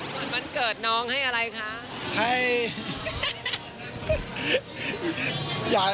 วันเกิดน้องให้อะไรคะ